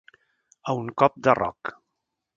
A un cop de roc.